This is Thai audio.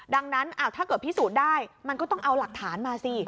ดังนั้นถ้าเกิดพิสูจน์ได้มันก็ต้องเอาหลักฐานมาสิ